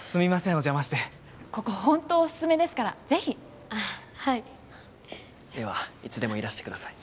お邪魔してここホントお薦めですからぜひあっはいではいつでもいらしてください